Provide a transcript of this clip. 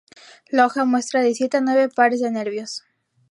La hoja muestra de siete a nueve pares de nervios.